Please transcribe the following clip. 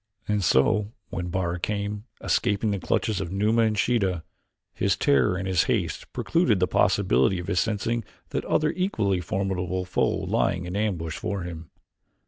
And so, when Bara came, escaping the clutches of Numa and Sheeta, his terror and his haste precluded the possibility of his sensing that other equally formidable foe lying in ambush for him.